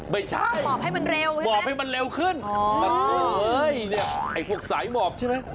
ไม่ใช่หมอบให้มันเร็วใช่ไหมอ๋อเฮ้ยเนี่ยไอ้พวกสายหมอบใช่ไหม